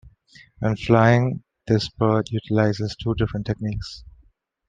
When flying, this bird utilizes two different techniques.